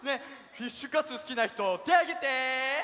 フィッシュカツすきなひとてをあげて！